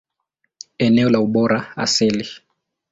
Eneo la ubora asili.